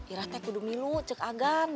ira teh kudu milu cek agan